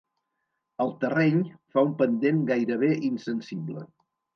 El terreny fa un pendent gairebé insensible.